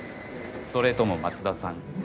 それとも松田さん